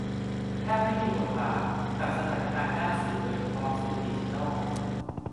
แทบไม่มีทบบาท กับสถานการณ์ด้านสื่อโดยเฉพาะสื่อดิจิทัล